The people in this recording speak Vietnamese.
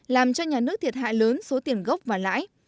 làm cho nhà nước thiệt hại lớn số tiền gốc và lãi